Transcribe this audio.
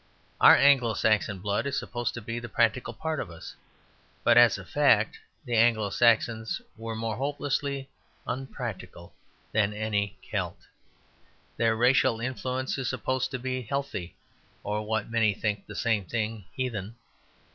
Our Anglo Saxon blood is supposed to be the practical part of us; but as a fact the Anglo Saxons were more hopelessly unpractical than any Celt. Their racial influence is supposed to be healthy, or, what many think the same thing, heathen.